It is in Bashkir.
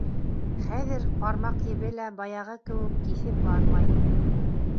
Хәҙер ҡармаҡ ебе лә баяғы кеүек киҫеп бармай.